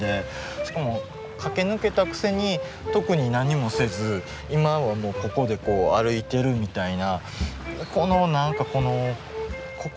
しかも駆け抜けたくせに特に何もせず今はもうここで歩いてるみたいな。